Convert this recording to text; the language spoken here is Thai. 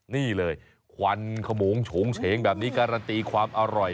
นี่เลยควันขมงโฉงเฉงแบบนี้การันตีความอร่อย